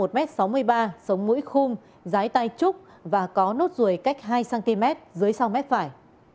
đối tượng này cao một m sáu mươi ba sống mũi khung dái tay trúc và có nốt rùi cách hai cm dưới sau mết phải